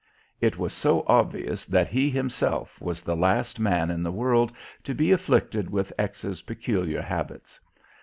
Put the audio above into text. It was so obvious that he himself was the last man in the world to be afflicted with X's peculiar habits.